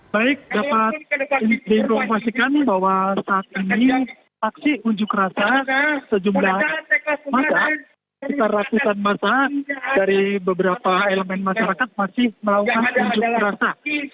baik dapat diinformasikan bahwa saat ini aksi unjuk rasa sejumlah masa sekitar ratusan masa dari beberapa elemen masyarakat masih melakukan unjuk rasa